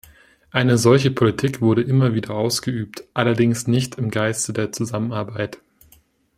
Eine solche Politik wurde immer wieder ausgeübt, allerdings nicht im Geiste der Zusammenarbeit.